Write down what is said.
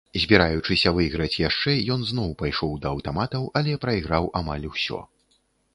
Збіраючыся выйграць яшчэ, ён зноў пайшоў да аўтаматаў, але прайграў амаль усё.